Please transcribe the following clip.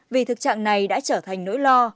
vì thực trạng này đã trở thành nỗi lo